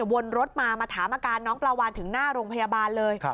วนรถมามาถามอาการน้องปลาวานถึงหน้าโรงพยาบาลเลย